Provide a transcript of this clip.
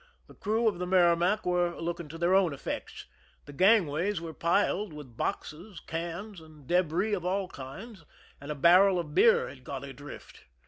The crew of the Merrimac were looking to their own effects. The gangways were piled with bo3:es, cans, and debris of all kinds, and a barrel of heev had got adrift.